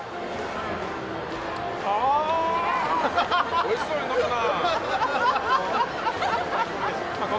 おいしそうに飲むな！